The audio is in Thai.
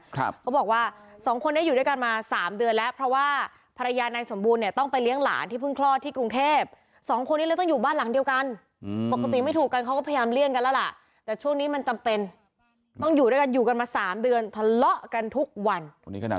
เขาบอกว่าสองคนนี้อยู่ด้วยกันมาสามเดือนแล้วเพราะว่าภรรยานายสมบูรณเนี่ยต้องไปเลี้ยงหลานที่เพิ่งคลอดที่กรุงเทพสองคนนี้เลยต้องอยู่บ้านหลังเดียวกันปกติไม่ถูกกันเขาก็พยายามเลี่ยงกันแล้วล่ะแต่ช่วงนี้มันจำเป็นต้องอยู่ด้วยกันอยู่กันมาสามเดือนทะเลาะกันทุกวัน